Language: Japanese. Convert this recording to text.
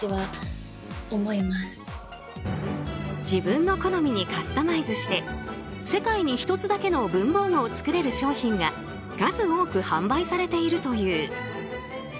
自分の好みにカスタマイズして世界に１つだけの文房具を作れる商品が数多く販売されているという。